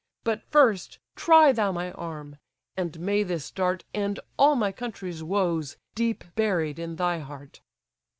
But first, try thou my arm; and may this dart End all my country's woes, deep buried in thy heart."